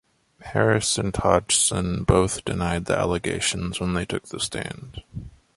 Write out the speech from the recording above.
Harris and Hodgson both denied the allegations when they took the stand.